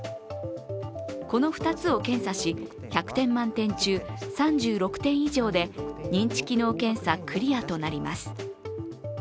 この２つを検査し、１００点満点中、３６点以上で認知機能検査クリアとなります。